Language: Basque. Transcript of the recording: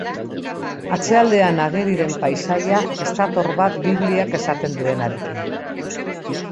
Atzealdean ageri den paisaia ez dator bat Bibliak esaten duenarekin.